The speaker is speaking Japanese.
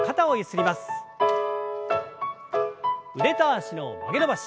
腕と脚の曲げ伸ばし。